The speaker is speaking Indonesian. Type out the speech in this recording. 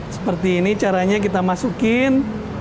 seperti ini caranya kita masukin